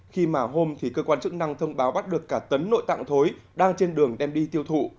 khi mà hôm thì cơ quan chức năng thông báo bắt được cả tấn nội tạng thối đang trên đường đem đi tiêu thụ